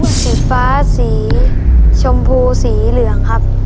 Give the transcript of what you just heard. สีฟ้าสีชมพูสีเหลืองครับ